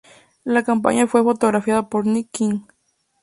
La campaña fue fotografiada por Nick Knight.